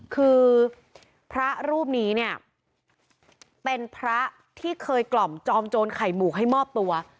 คือพระรูปนี้เนี่ยเป็นพระที่เคยกล่อมจอมโจรไข่หมูกให้มอบตัว